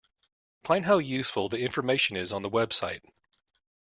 Find how useful the information is on the website.